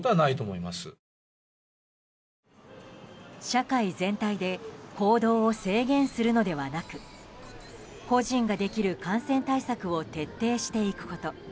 社会全体で行動を制限するのではなく個人ができる感染対策を徹底していくこと。